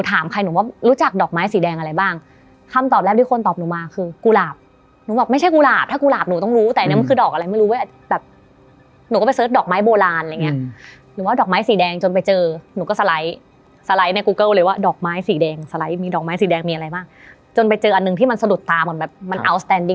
อะไรบ้างคำตอบแรกที่คนตอบหนูมาคือกุหลาบหนูบอกไม่ใช่กุหลาบถ้ากุหลาบหนูต้องรู้แต่อันนี้มันคือดอกอะไรไม่รู้เว้ยแบบหนูก็ไปเสิร์ชดอกไม้โบราณอะไรอย่างเงี้ยอืมหนูว่าดอกไม้สีแดงจนไปเจอหนูก็สไลด์สไลด์ในกูเกิลเลยว่าดอกไม้สีแดงสไลด์มีดอกไม้สีแดงมีอะไรบ้างจนไปเจออันหนึ่งที่มันสะด